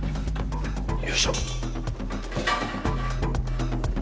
よいしょ。